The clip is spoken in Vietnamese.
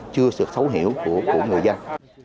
chưa sự xấu hiểu của người dân